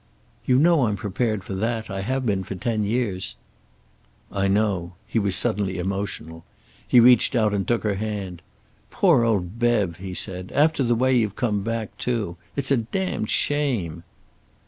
"You know I'm prepared for that. I have been for ten years." "I know." He was suddenly emotional. He reached out and took her hand. "Poor old Bev!" he said. "After the way you've come back, too. It's a damned shame."